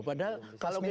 padahal kalau kita